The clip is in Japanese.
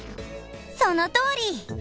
そのとおり！